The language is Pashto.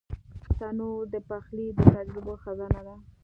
تنور د پخلي د تجربو خزانه ده